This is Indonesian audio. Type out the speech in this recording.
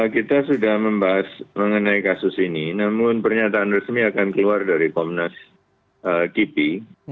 kita sudah membahas mengenai kasus ini namun pernyataan resmi akan keluar dari komnas kipi